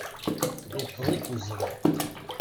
Iṭṭeḍ-ik uzrem.